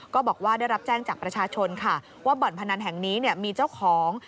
ก็บอกว่าได้รับแจ้งจากประชาชนค่ะว่าบ่อนพนันแห่งนี้มีเจ้าของ